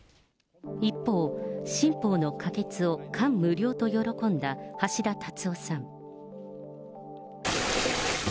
一方、新法の可決を感無量と喜んだ橋田達夫さん。